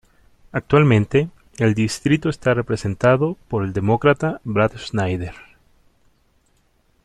Actualmente el distrito está representado por el Demócrata Brad Schneider.